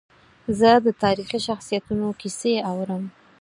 زه د تاریخي شخصیتونو کیسې اورم.